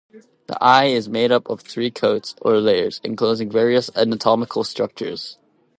The eye is made up of three coats, or layers, enclosing various anatomical structures.